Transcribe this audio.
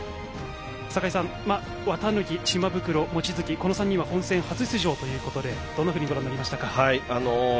坂井さん、綿貫と島袋と望月この３人は本戦初出場ですがどんなふうにご覧になりましたか。